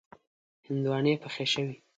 هندواڼی پخې شوې.